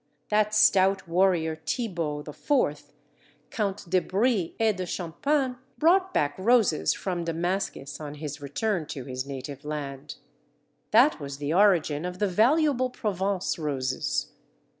That stout warrior Thibault IV, Count de Brie et de Champagne, brought back roses from Damascus on his return to his native land. That was the origin of the valuable Provence roses.